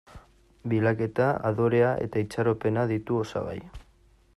Bilaketa, adorea eta itxaropena ditu osagai.